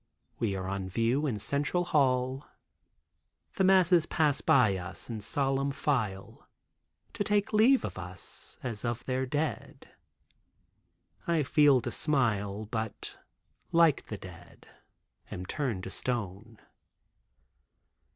We are on view in Central Hall. The masses pass by us in solemn file to take leave of us, as of their dead. I feel to smile, but like the dead am turned to stone.